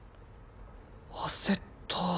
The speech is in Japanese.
焦った